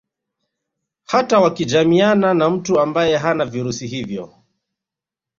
Hata wakijamiana na mtu ambaye hana virusi hivyo